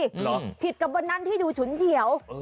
หรอถูกเหมือนบนนั้นที่ดูฉุนเหยียว